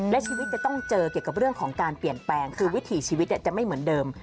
และชีวิตจะต้องเจอเกี่ยวกับเรื่องของการเปลี่ยนแปลงคือวิถีชีวิตจะไม่เหมือนเดิม